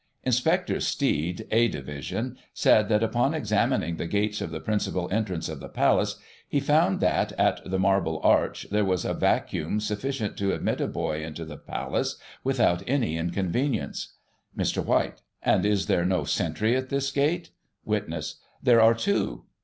Inspector Steed, A division, said that upon examining the gates of the principal entrance of the Palace, he found that, at the Marble Arch, there was a vacuum sufficient to admit a boy into the Palace, without any inconvenience. Mr. White : And is there no sentry at this gate ? Witness : There are two.